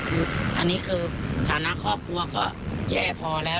คืออันนี้คือฐานะครอบครัวก็แย่พอแล้ว